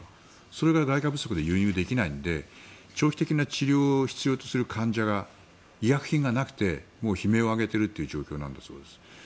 それが外貨不足で輸入できないので長期的な治療を必要とする患者が医薬品がなくて悲鳴を上げているという状況なんだそうです。